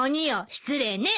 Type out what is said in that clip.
失礼ね！